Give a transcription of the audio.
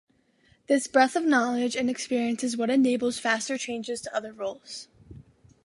This breadth of knowledge and experience is what enables faster changes to other roles.